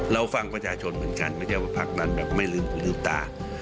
เราฟังประชาชนเหมือนกันไม่ใช่ว่าพักนั้นแบบไม่ลืมหูลืมตา